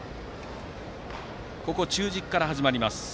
ここは中軸から始まります。